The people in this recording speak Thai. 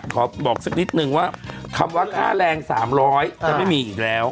บอกสักนิดนึงว่าคำว่าค่าแรง๓๐๐จะไม่มีอีกแล้ว